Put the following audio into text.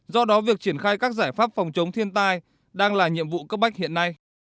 do đó việc triển khai các giải pháp phòng chống thiên tai đang là nhiệm vụ cấp bách hiện nay